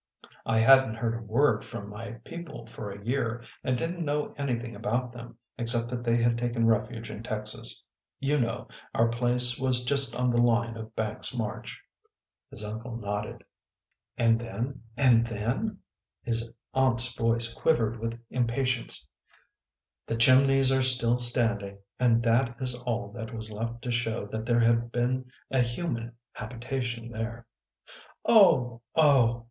I hadn t heard a word from my people for a year and didn t know anything about them except that they had taken refuge in Texas you know our place was just on the line of Banks s march." His uncle nodded. WALKING THE RAINBOW 119 " And then, and then? " his aunt s voice quivered with impatience. " The chimneys are still standing and that is all that was left to show that there had been a human habitation there." "Oh! Oh!"